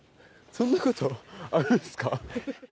そんなことあるんすか？